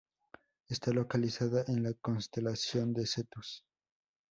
Está localizada en la constelación de Cetus.